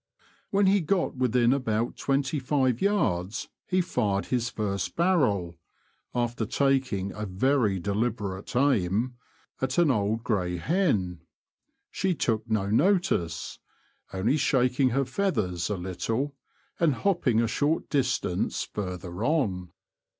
When he got within about twenty five yards he fired his first barrel (after taking a very deliberate aim) at an old grey hen. She took no notice, only shaking her feathers a little, and hopping a short dis tance further on.